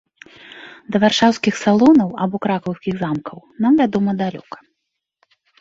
Да варшаўскіх салонаў або кракаўскіх замкаў нам, вядома, далёка.